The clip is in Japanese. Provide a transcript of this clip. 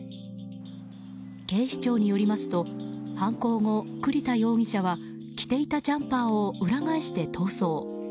警視庁によりますと犯行後、栗田容疑者は着ていたジャンパーを裏返して逃走。